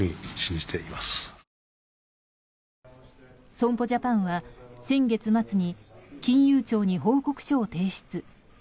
損保ジャパンは先月末に金融庁に報告書を提出。